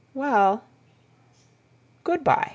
"Well—" "Good by."